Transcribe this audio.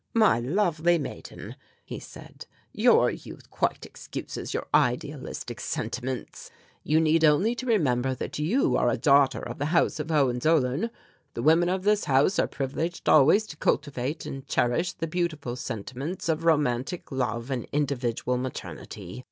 "My lovely maiden," he said, "your youth quite excuses your idealistic sentiments. You need only to remember that you are a daughter of the House of Hohenzollern. The women of this House are privileged always to cultivate and cherish the beautiful sentiments of romantic love and individual maternity.